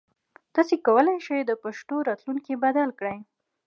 تاسو کولای شئ د پښتو راتلونکی بدل کړئ.